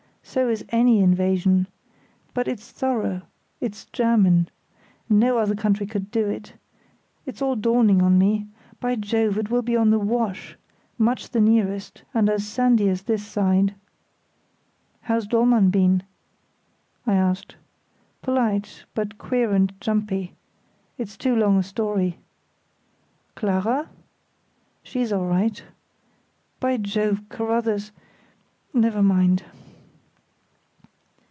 So is any invasion. But it's thorough; it's German. No other country could do it. It's all dawning on me—by Jove! It will be at the Wash—much the nearest, and as sandy as this side." "How's Dollmann been?" I asked. "Polite, but queer and jumpy. It's too long a story." "Clara?" "She's all right. By Jove! Carruthers—never mind."